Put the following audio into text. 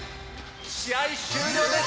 試合終了です。